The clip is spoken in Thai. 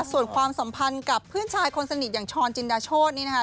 ส่วนความสัมพันธ์กับเพื่อนชายคนสนิทอย่างช้อนจินดาโชธนี่นะคะ